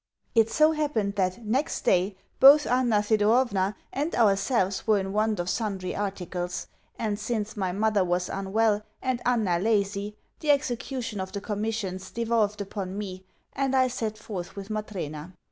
It so happened that, next day, both Anna Thedorovna and ourselves were in want of sundry articles; and since my mother was unwell and Anna lazy, the execution of the commissions devolved upon me, and I set forth with Matrena.